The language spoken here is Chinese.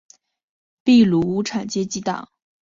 秘鲁无产阶级党是秘鲁的一个共产主义政党。